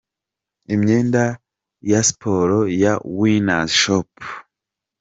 Imyenda ya Sport ya Winners' Shop.